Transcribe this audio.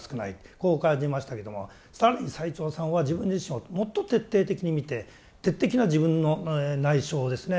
こう感じましたけども更に最澄さんは自分自身をもっと徹底的に見て自分の内証ですね